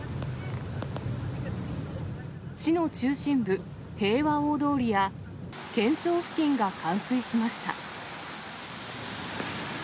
市の中心部、平和大通りや県庁付近が冠水しました。